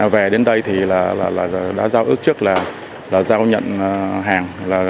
về đến đây đã giao ước trước là giao nhận hàng